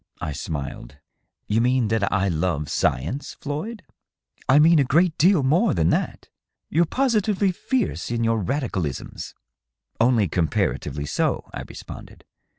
I smiled. " You mean that I love science, Floyd ?" 558 DOUGLAS DUANE. " I mean a great deal more than that. You're positively fierce in your radicalisms/' *^ Only comparatively so," I responded.